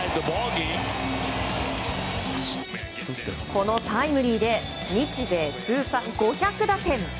このタイムリーで日米通算５００打点。